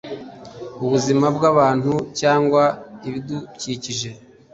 ubuzima bw abantu cyangwa ibidukikije